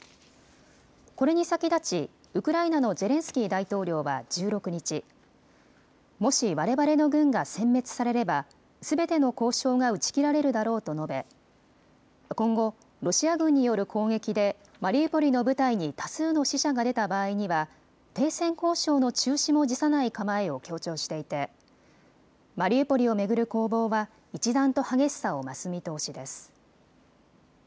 これに先立ちウクライナのゼレンスキー大統領は１６日、もしわれわれの軍がせん滅されればすべての交渉が打ち切られるだろうと述べ、今後、ロシア軍による攻撃でマリウポリの部隊に多数の死者が出た場合には停戦交渉の中止も辞さない構えを強調していてマリウポリを巡る攻防は一段と激しさを増す見通しです。